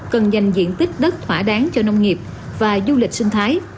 cần dành diện tích đất thỏa đáng cho nông nghiệp và du lịch sinh thái